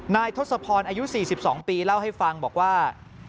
ทศพรอายุ๔๒ปีเล่าให้ฟังบอกว่า